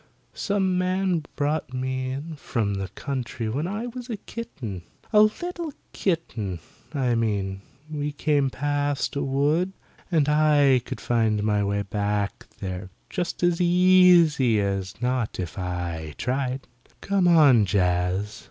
Some man brought me in from the country when I was a kitten; a little kitten, I mean; we came past a wood, and I could find my way back there just as easy as not if I tried. Come on, Jaz.